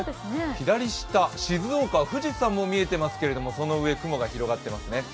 左下、静岡、富士山も見えていますけれどもその上、雲が広がっていますね。